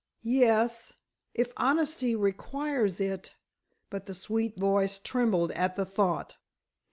"Yes—if honesty requires it——" but the sweet voice trembled at the thought.